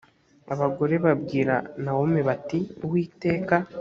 abagore babwira nawomi bati uwiteka